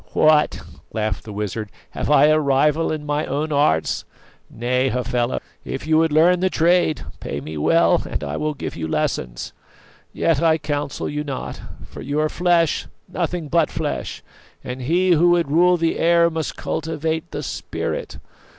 "What," laughed the wizard, "have I a rival in my own arts? Nay, Hafela, if you would learn the trade, pay me well and I will give you lessons. Yet I counsel you not; for you are flesh, nothing but flesh, and he who would rule the air must cultivate the spirit.